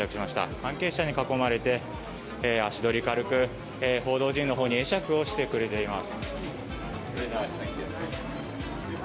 関係者に囲まれて足取り軽く、報道陣のほうに会釈をしてくれています。